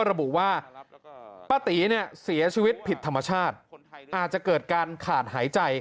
ระบุว่าป้าตีเนี่ยเสียชีวิตผิดธรรมชาติอาจจะเกิดการขาดหายใจ